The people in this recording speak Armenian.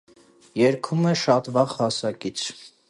Երգում է շատ վաղ հասակից։